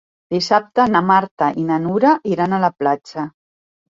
Dissabte na Marta i na Nura iran a la platja.